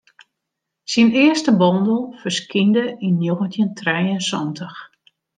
Syn earste bondel ferskynde yn njoggentjin trije en santich.